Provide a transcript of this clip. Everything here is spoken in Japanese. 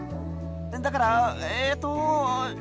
だからえっと。